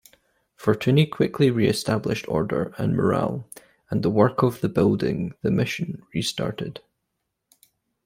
Fortuni quickly reestablished order and morale and the work of building the mission restarted.